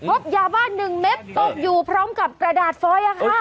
โอ้โฮยาบ้าหนึ่งเม็บตกอยู่พร้อมกับกระดาษฟอยล์ค่ะ